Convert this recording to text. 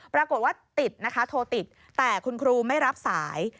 ปรากฏว่าติดนะคะโทรติดแต่คุณครูไม่รับสาย